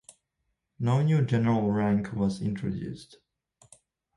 No new general rank was introduced.